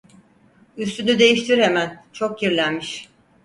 Üstünü değiştir hemen, çok kirlenmiş.